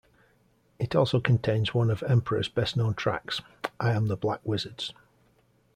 It also contains one of Emperor's best known tracks, "I Am the Black Wizards".